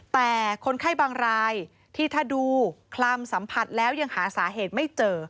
แต่คนไข้บางรายที่ถ้าดูคลำสัมผัสแล้วยังหาสาเหตุไม่เจอ